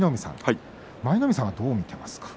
舞の海さんはどう見ていますか？